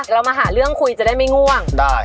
เรามาหาเรื่องคุยจะได้ไม่ง่วงได้